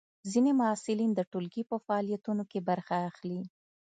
ځینې محصلین د ټولګي په فعالیتونو کې برخه اخلي.